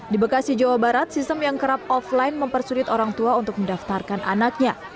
di bekasi jawa barat sistem yang kerap offline mempersulit orang tua untuk mendaftarkan anaknya